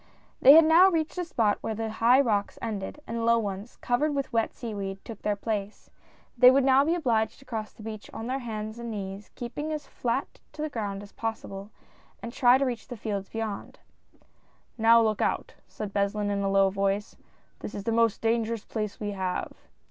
They had now reached a spot where the high rocks ended, and low ones, covered with wet seaweed, took their place. They would now be obliged to cross the beach on their hands and knees, keeping as flat to the ground as possible, and try and reach the fields beyond. "Now look out I " said Beslin, in a low voice, "this is the most dangerous place we have."